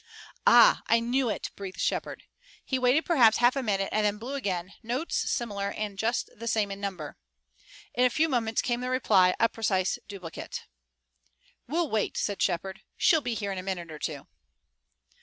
"Ah, I knew it!" breathed Shepard. He waited perhaps half a minute and then blew again, notes similar and just the same in number. In a few moments came the reply, a precise duplicate. "We'll wait," said Shepard. "She'll be here in a minute or two."